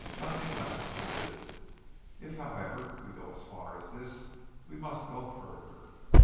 Nothing less will do.... "If, however, we go as far as this, we must go further....